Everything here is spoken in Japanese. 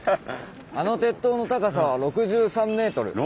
あの鉄塔の高さは６３ｍです。